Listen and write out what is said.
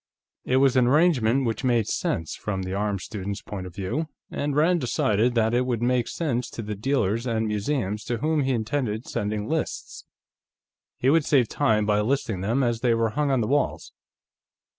It was an arrangement which made sense, from the arms student's point of view, and Rand decided that it would make sense to the dealers and museums to whom he intended sending lists. He would save time by listing them as they were hung on the walls.